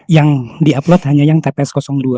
yang di upload hanya yang tps dua